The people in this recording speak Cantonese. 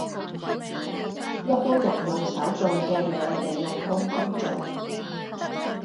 一般人用手做嘅嘢，你用工具做